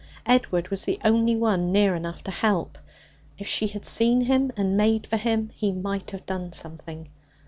Edward was the only one near enough to help. If she had seen him and made for him, he might have done something.